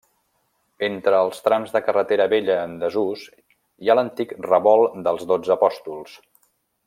Entre els trams de carretera vella en desús hi ha l'antic Revolt dels Dotze Apòstols.